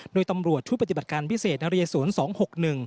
โดยตำรวจชุดปฏิบัติการพิเศษนเรศวร๒๖๑